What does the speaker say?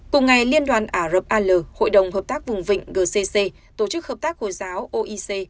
cùng ngày liên đoàn ả rập al hội đồng hợp tác vùng vịnh gcc tổ chức hợp tác hồi giáo oic